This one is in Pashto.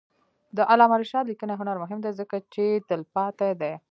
د علامه رشاد لیکنی هنر مهم دی ځکه چې تلپاتې دی.